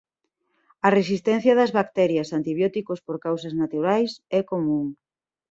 A resistencia das bacterias a antibióticos por causas naturais é común.